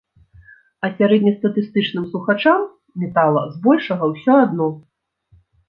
А сярэднестатыстычным слухачам метала збольшага ўсё адно.